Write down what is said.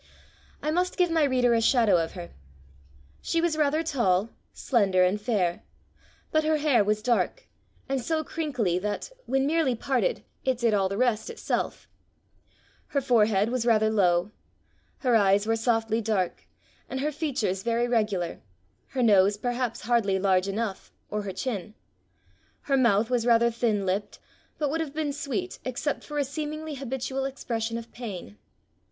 I must give my reader a shadow of her. She was rather tall, slender, and fair. But her hair was dark, and so crinkly that, when merely parted, it did all the rest itself. Her forehead was rather low. Her eyes were softly dark, and her features very regular her nose perhaps hardly large enough, or her chin. Her mouth was rather thin lipped, but would have been sweet except for a seemingly habitual expression of pain.